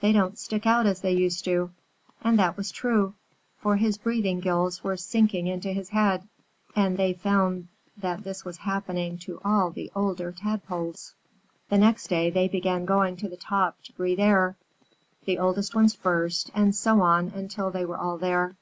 "They don't stick out as they used to." And that was true, for his breathing gills were sinking into his head, and they found that this was happening to all the older Tadpoles. [Illustration: THE BIGGEST FROG TOLD THEM STORIES. Page 63] The next day they began going to the top to breathe air, the oldest ones first, and so on until they were all there.